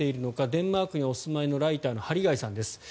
デンマークにお住まいのライターの針貝さんです。